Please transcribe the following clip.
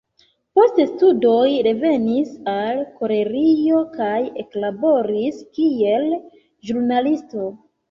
Post studoj revenis al Koreio kaj eklaboris kiel ĵurnalisto.